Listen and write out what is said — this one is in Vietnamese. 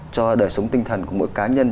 cho đời sống tinh thần của mỗi cá nhân